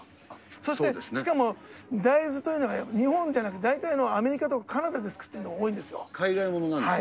そしてしかも、大豆というのが日本じゃなくて大体アメリカとかカナダで作ってる海外ものなんですね。